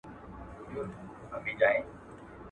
د انا اوگره ده په څکلو خلاصه سوه.